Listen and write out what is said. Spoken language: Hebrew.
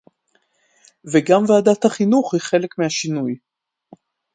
וגם ועדת החינוך היא חלק מהשינוי